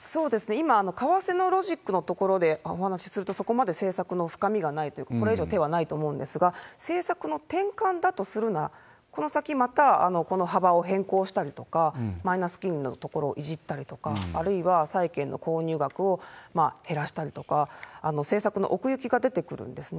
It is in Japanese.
今、為替のロジックのところでお話しすると、そこまで政策の深みがないと、これ以上手はないと思うんですが、政策の転換だとするなら、この先、またこの幅を変更したりとか、マイナス金利のところをいじったりとか、あるいは債券の購入額を減らしたりとか、政策の奥行きが出てくるんですね。